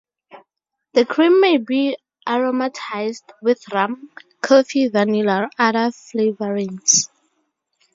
The cream may be aromatized with rum, coffee, vanilla, or other flavorings.